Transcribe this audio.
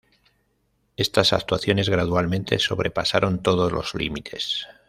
Estas actuaciones gradualmente sobrepasaron todos los límites.